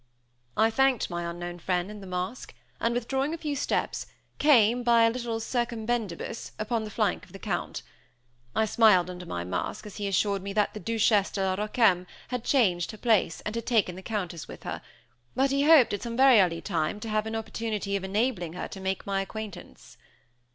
I thanked my unknown friend in the mask, and withdrawing a few steps, came, by a little "circumbendibus," upon the flank of the Count. I smiled under my mask as he assured me that the Duchess de la Roqueme had changed her place, and taken the Countess with her; but he hoped, at some very early time, to have an opportunity of enabling her to make my acquaintance.